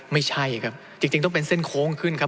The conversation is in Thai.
ไม่ใช่ครับจริงต้องเป็นเส้นโค้งขึ้นครับ